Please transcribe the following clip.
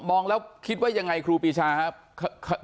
มองแล้วคิดว่ายังไงครูปีชาครับ